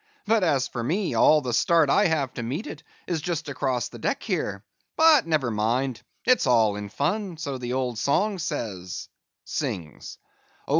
But as for me, all the start I have to meet it, is just across the deck here. But never mind; it's all in fun: so the old song says;"— Oh!